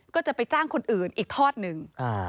ก็จะไปจ้างคนอื่นอีกทอดหนึ่ง